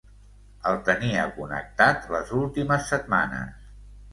El tenia connectat les últimes setmanes.